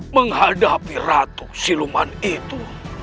menghadapi ratu siluman itu